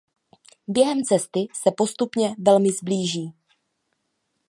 Během cesty se postupně velmi sblíží.